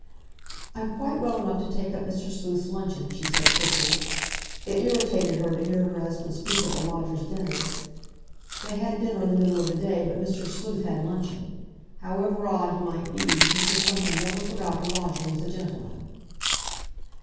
"I'm quite well enough to take up Mr. Sleuth's luncheon," she said quickly. It irritated her to hear her husband speak of the lodger's dinner. They had dinner in the middle of the day, but Mr. Sleuth had luncheon. However odd he might be, Mrs. Bunting never forgot her lodger was a gentleman.